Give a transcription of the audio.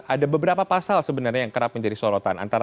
ada beberapa pasal sebenarnya yang kerap menjadi sorotan